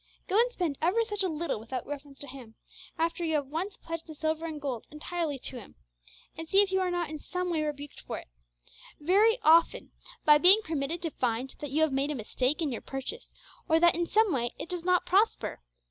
Go and spend ever such a little without reference to Him after you have once pledged the silver and gold entirely to Him, and see if you are not in some way rebuked for it! Very often by being permitted to find that you have made a mistake in your purchase, or that in some way it does not prosper.